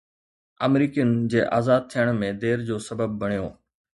آمريڪين جي آزاد ٿيڻ ۾ دير جو سبب بڻيو